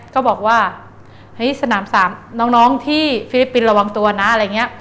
ก็บอกว่าเฮ้ยสนามสามน้องที่ฟิลิปปินส์ระวังตัวนะอะไรอย่างนี้